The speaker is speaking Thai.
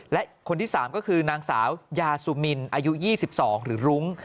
และคนที่๓ก็คือนางสาวยาซูมินอายุ๒๒หรือรุ้ง